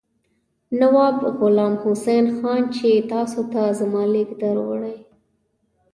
نواب غلام حسین خان چې تاسو ته زما لیک دروړي.